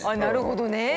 なるほどね。